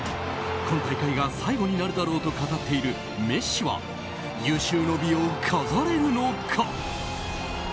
今大会が最後になるだろうと語っているメッシは有終の美を飾れるのか。